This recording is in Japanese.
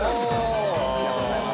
◆ありがとうございます。